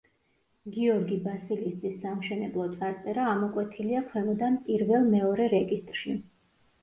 გიორგი ბასილის ძის სამშენებლო წარწერა ამოკვეთილია ქვემოდან პირველ მეორე რეგისტრში.